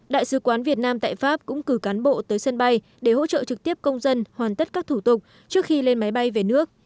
đại sứ quán việt nam tại pháp cũng cử cán bộ tới sân bay để hỗ trợ trực tiếp công dân hoàn tất các thủ tục trước khi lên máy bay về nước